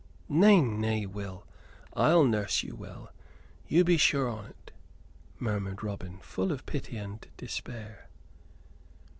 "Nay, nay, Will. I'll nurse you well, be sure on't," murmured Robin, full of pity and despair.